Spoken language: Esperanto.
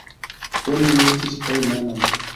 Oni luktis per manoj.